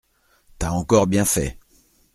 T’as encore bien fait…